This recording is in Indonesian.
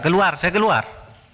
keluar saya keluar